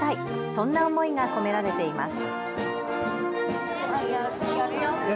そんな思いが込められています。